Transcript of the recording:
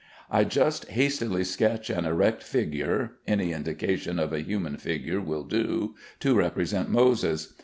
I just hastily sketch an erect figure (any indication of a human figure will do) to represent Moses.